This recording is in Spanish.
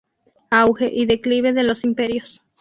Auge y declive de los imperios".